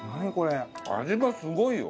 味がすごいよ。